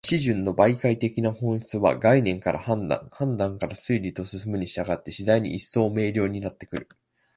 思惟の媒介的な本質は、概念から判断、判断から推理と進むに従って、次第に一層明瞭になってくる。